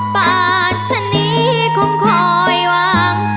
ปากชะนี้คงคอยวาง